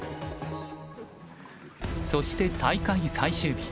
そして大会最終日。